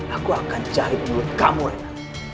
aku akan jahit mulut kamu reina